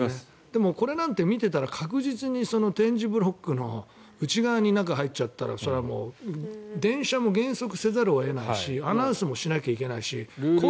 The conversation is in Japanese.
でも、これ見ていたら確実に点字ブロックの内側に入っちゃったらそれはもう電車も減速せざるを得ないしアナウンスもしないといけないし。